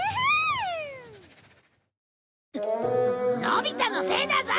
のび太のせいだぞ！